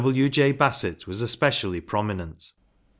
VV. J. Bassett was especially prominent.